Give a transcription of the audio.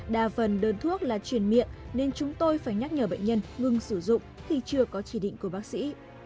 đa phần đơn thuốc là truyền miệng nên chúng tôi phải nhắc nhở bệnh nhân ngừng sử dụng khi chưa có chỉ định của bác sĩ